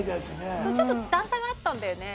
「ちょっと段差があったんだよね」